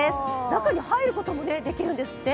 中に入ることもできるんですって。